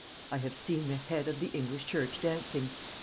"I have seen the head of the English church dancing!"